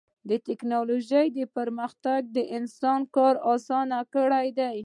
د ټکنالوجۍ پرمختګ د انسان کار اسان کړی دی.